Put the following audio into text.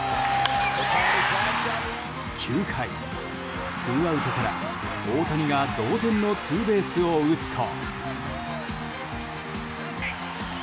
９回、ツーアウトから大谷が同点のツーベースを打つと。